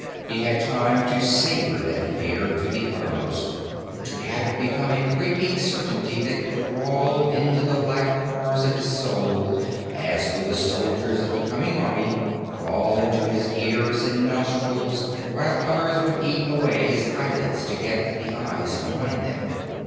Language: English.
He had time to savor that fear to the uttermost, to have it become a creeping certainty that crawled into the black corners of his soul as would the soldiers of the coming army crawl into his ears and nostrils while others would eat away his eyelids to get at the eyes behind them.